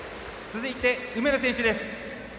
続いて、梅野選手です。